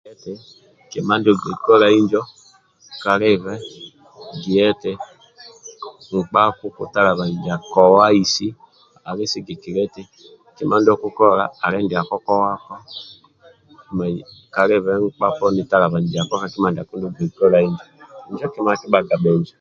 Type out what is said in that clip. Kima ndio ogbei kolai injo kalibe gia eti nkpa akukutalibaniza kowaisi ali sigikilia eti kima ndio okukola ali ndiako kowako kalibe nkpa poni talabanizako ka kima ndio kolai injo kima akibhaga bhinjo